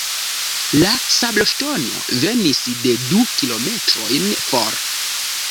La sabloŝtono venis de du kilometrojn for.